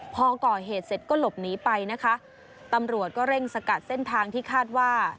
พอก่อเหตุเสร็จก็หลบหนีไปนะคะตำรวจก็เร่งสกัดเส้นทางที่คาดว่า